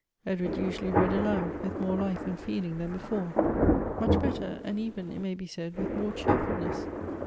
Edward usually read aloud, with more life and feeling than before ; much better, and even it may be said with more cheerfulness.